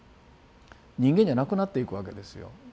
人間じゃなくなっていくわけですよ。